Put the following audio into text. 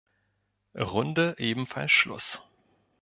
Runde ebenfalls Schluss.